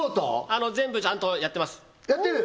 あの全部ちゃんとやってますやってる？